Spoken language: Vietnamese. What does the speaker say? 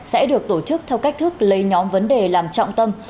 sẽ được tổ chức theo cách thức lấy nhóm vấn đề làm trọng tâm